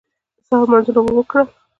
د سهار لمونځونه مو وکړل.